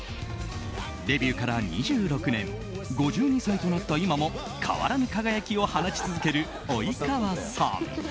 デビューから２６年５２歳となった今も変わらぬ輝きを放ち続ける及川さん。